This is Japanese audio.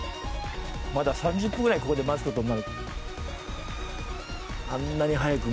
まだ３０分くらいここで待つことになる。